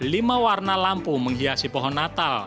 lima warna lampu menghiasi pohon natal